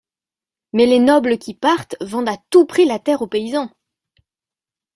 Mais les nobles qui partent, vendent à tout prix la terre au paysan.